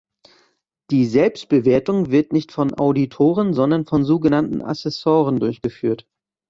Die Selbstbewertung wird nicht von Auditoren, sondern von so genannten Assessoren durchgeführt.